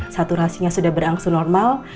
saturasinya sudah berangsu normal